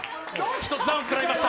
１つダウンくらいました。